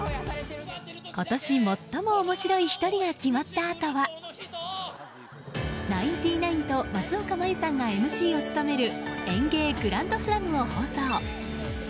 今年最も面白い１人が決まったあとはナインティナインと松岡茉優さんがＭＣを務める「ＥＮＧＥＩグランドスラム」を放送。